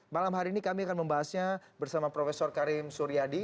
malam hari ini kami akan membahasnya bersama prof karim suryadi